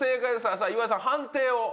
さあ岩井さん判定を。